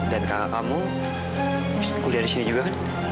dan kakak kamu kuliah di sini juga kan